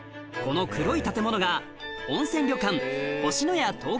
この黒い建物が温泉旅館